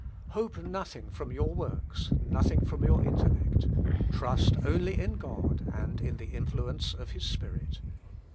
Hope nothing from your works, nothing from your intellect. Trust only in God, and in the influence of his Spirit.